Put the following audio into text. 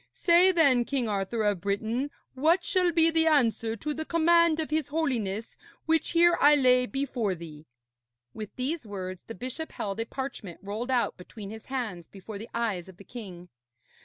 Say, then, King Arthur of Britain, what shall be the answer to the command of his Holiness which here I lay before thee.' With these words the bishop held a parchment rolled out between his hands before the eyes of the king.